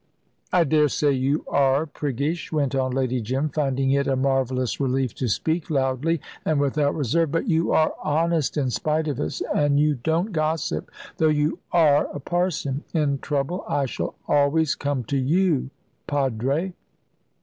"I daresay you are priggish," went on Lady Jim, finding it a marvellous relief to speak loudly and without reserve; "but you are honest in spite of it, and you don't gossip, though you are a parson. In trouble I shall always come to you, padre."